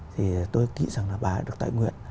thì tôi nghĩ rằng là bà ấy đã được tại nguyện